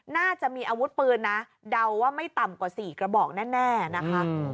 น่าจะมีอาวุธปืนนะเดาว่าไม่ต่ำกว่า๔กระบอกแน่นะคะ